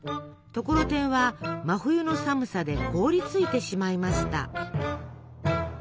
ところてんは真冬の寒さで凍りついてしまいました。